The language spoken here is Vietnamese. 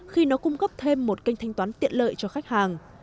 khi nó cung cấp thêm một kênh thanh toán tiện lợi cho khách hàng